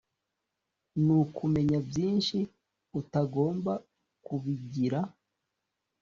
nukumenya byinshi utagomba kubigira,